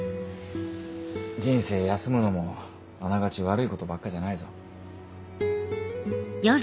人生休むのもあながち悪いことばっかじゃないぞ。